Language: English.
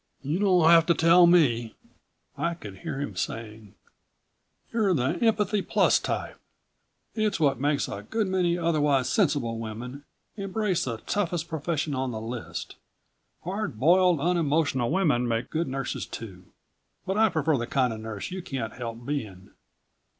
"You don't have to tell me," I could hear him saying. "You're the empathy plus type. It's what makes a good many otherwise sensible women embrace the toughest profession on the list. Hard boiled, unemotional women make good nurses too. But I prefer the kind of nurse you can't help being.